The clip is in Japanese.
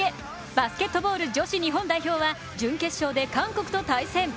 バスケットボール女子日本代表は準決勝で韓国と対戦。